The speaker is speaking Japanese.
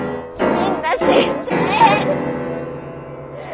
みんな死んじゃえ！